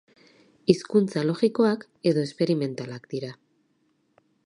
Hizkuntza logikoak edo esperimentalak dira.